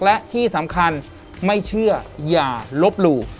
และที่สำคัญไม่เชื่ออย่าลบหลู่